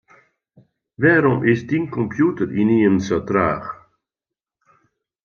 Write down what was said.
Wêrom is dyn kompjûter ynienen sa traach?